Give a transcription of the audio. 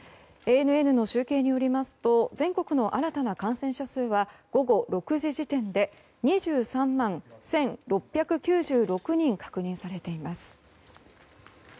ＡＮＮの集計によりますと全国の新たな感染者数は午後６時時点で２３万１６９６人確認されています。